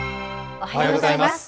おはようございます。